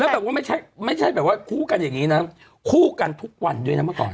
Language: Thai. แบบว่าไม่ใช่แบบว่าคู่กันอย่างนี้นะคู่กันทุกวันด้วยนะเมื่อก่อน